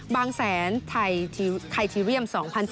บางแสนไททีเรียม๒๐๑๙